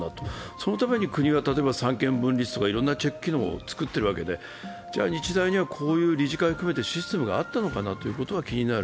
そのために国が例えば三権分立とか、いろんなチェック機能を作っているわけで、じゃあ、日大にはこういう理事会を含めてシステムがあったのかなというのが気になる。